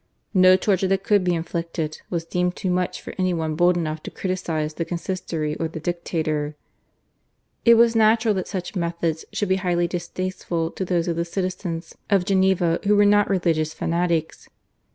No torture that could be inflicted was deemed too much for any one bold enough to criticise the Consistory or the dictator. It was natural that such methods should be highly distasteful to those of the citizens of Geneva who were not religious fanatics.